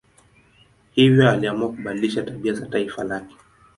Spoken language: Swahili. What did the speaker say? Hivyo aliamua kubadilisha tabia za taifa lake.